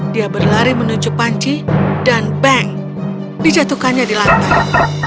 dia berlari menuju panci dan bank dijatuhkannya di lantai